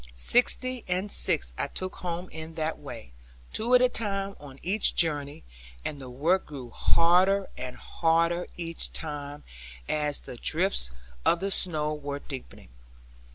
Sixty and six I took home in that way, two at a time on each joumey; and the work grew harder and harder each time, as the drifts of the snow were deepening.